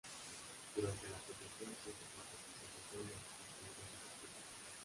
Durante la procesión se hace representación de "Las Tres Caídas de Jesús".